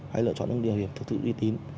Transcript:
hãy lựa chọn những điều hiểm thật sự uy tín